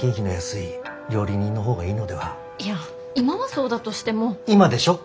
いや今はそうだとしても。今でしょ？